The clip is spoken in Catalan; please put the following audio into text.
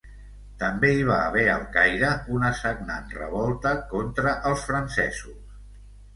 També hi va haver al Caire una sagnant revolta contra els francesos.